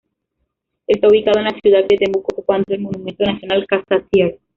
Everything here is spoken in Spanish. Está ubicado en la ciudad de Temuco, ocupando el Monumento Nacional Casa Thiers.